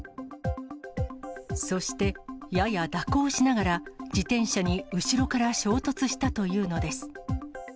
そして、やや蛇行しながら自転車に後ろから衝突したというのです。